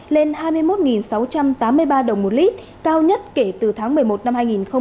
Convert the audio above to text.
lên hai mươi một sáu trăm tám mươi ba đồng một lít cao nhất kể từ tháng một mươi một năm hai nghìn một mươi chín